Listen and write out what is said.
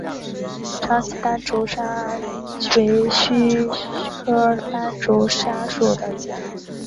长鳍斑竹鲨为须鲨科斑竹鲨属的鱼类。